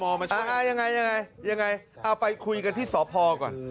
หรือยังไงยังไงไปคุยกันที่สพก่อน